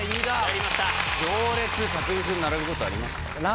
行列匠海君並ぶことありますか？